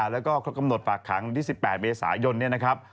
และก็กรบกำหนดฝากขังที่๑๘บสายนนะครับ